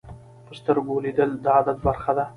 په سترګو لیدل د عادت برخه ده